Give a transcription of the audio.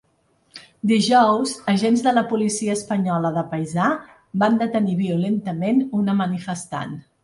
Dijous, agents de la policia espanyola de paisà van detenir violentament una manifestant.